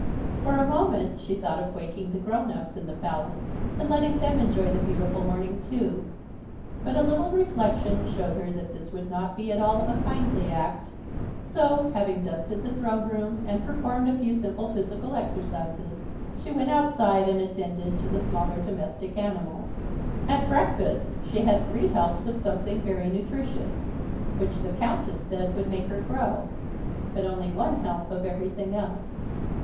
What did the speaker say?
For a moment she thought of waking the grown ups in the Palace and letting them enjoy the beautiful morning too, but a little reflection showed her that this would not be at all a kindly act; so, having dusted the Throne Room and performed a few simple physical exercises, she went outside and attended to the smaller domestic animals. [Illustration: When anybody of superior station or age came into the room she rose and curtsied] At breakfast she had three helps of something very nutritious, which the Countess said would make her grow, but only one help of everything else.